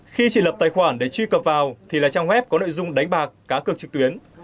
khi chị lập tài khoản để truy cập vào thì là trang web có nội dung đánh bạc cá cực trực tuyến